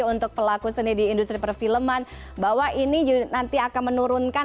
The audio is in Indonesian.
untuk pelaku seni di industri perfilman bahwa ini nanti akan menurunkan